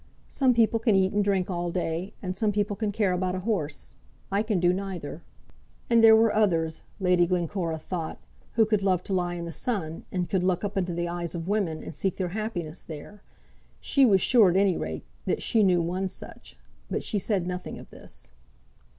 Some people can eat and drink all day; and some people can care about a horse. I can do neither." And there were others, Lady Glencora thought, who could love to lie in the sun, and could look up into the eyes of women, and seek their happiness there. She was sure, at any rate, that she knew one such. But she said nothing of this.